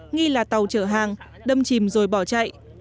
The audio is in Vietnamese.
nghi là tàu chở hàng đâm chìm rồi bỏ chạy